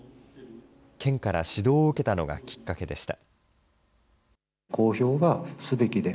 県から指導を受けたのがきっかけでした。